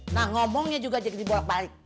nah ngomongnya juga jadi dibolak balik